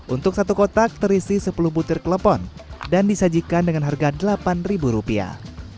untuk satu kotak terisi sepuluh budir kelepon dan disajikan dengan harga delapan rupiah